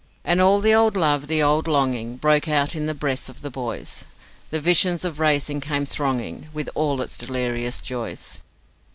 And all the old love, the old longing, Broke out in the breasts of the boys, The visions of racing came thronging With all its delirious joys.